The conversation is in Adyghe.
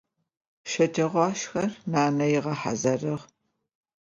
Şeceğuaşşxer nane ığehazırığ.